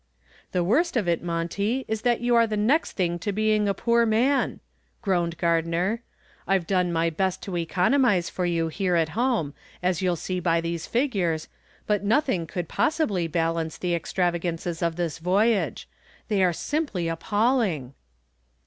"The worst of it, Monty, is that you are the next thing to being a poor man," groaned Gardner. "I've done my best to economize for you here at home, as you'll see by these figures, but nothing could possibly balance the extravagances of this voyage. They are simply appalling."